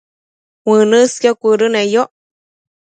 uënësqio cuëdëneyoc